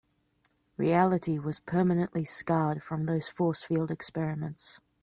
Reality was permanently scarred from those force field experiments.